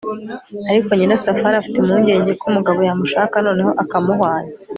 ariko nyirasafari afite impungenge ko umugabo yamushaka noneho akamuhwanya